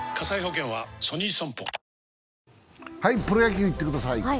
プロ野球いってください。